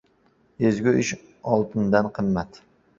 • Ezgu ish oltindan qimmat.